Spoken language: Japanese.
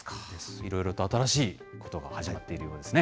いろいろと新しいことが始まっているようですね。